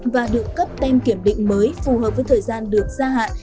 và được cấp tem kiểm định mới phù hợp với thời gian được gia hạn